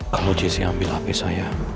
kalau jesse ambil hp saya